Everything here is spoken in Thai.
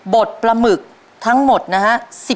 ดปลาหมึกทั้งหมดนะฮะ